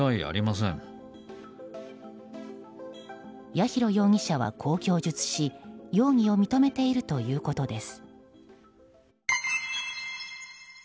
八尋容疑者は、こう供述し容疑を認めているということです。